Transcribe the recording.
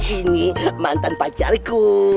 ini mantan pacarku